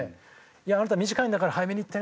あなた短いんだから早めにいってね。